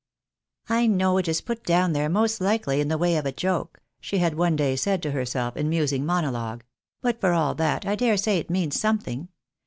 " I know it is put down there most likely in the way of a joke," she had one day said to herself, in musing monologue ;" but for all that, I dare say it means something.